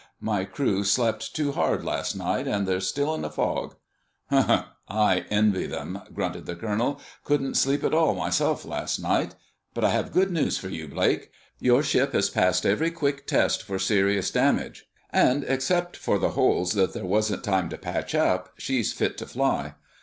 "My crew slept too hard last night, and they're still in a fog." "Harrumph! I envy them!" grunted the colonel. "Couldn't sleep at all myself, last night.... But I have good news for you, Blake. Your ship has passed every quick test for serious damage, and except for the holes that there wasn't time to patch, she's fit to fly.